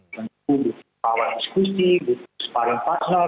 tentu di bawah diskusi di sepadan pasar